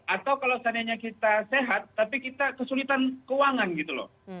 atau kalau seandainya kita sehat tapi kita kesulitan keuangan gitu loh